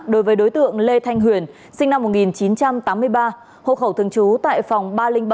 đối với đối tượng lê thanh huyền sinh năm một nghìn chín trăm tám mươi ba hộ khẩu thường trú tại phòng ba trăm linh bảy